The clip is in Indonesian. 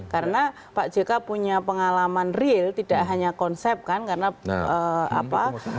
karena pak jk punya pengalaman real tidak hanya konsep kan karena apa